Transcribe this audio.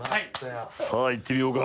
さあいってみようか。